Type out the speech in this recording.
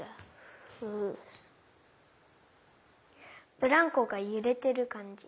ブランコがゆれてるかんじ。